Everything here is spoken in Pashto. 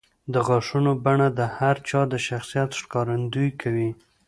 د غاښونو بڼه د هر چا د شخصیت ښکارندویي کوي.